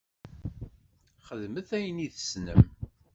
Xedmet ayen i tessnem.